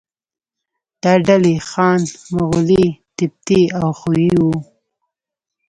دا ډلې خان، مغولي، تبتي او خویي وو.